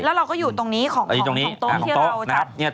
แล้วเราก็อยู่ตรงนี้ของโต๊ะที่เราจัด